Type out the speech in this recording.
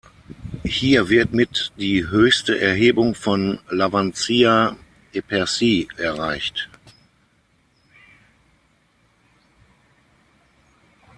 Hier wird mit die höchste Erhebung von Lavancia-Epercy erreicht.